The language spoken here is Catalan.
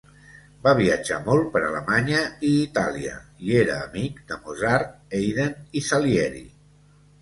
Va viatjar molt per Alemanya i Itàlia i era amic de Mozart, Haydn i Salieri.